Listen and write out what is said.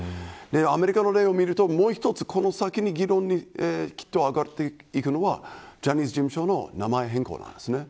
アメリカの例を見るともう一つその先の議論できっと分かっていくのはジャニーズ事務所の名前変更ですね。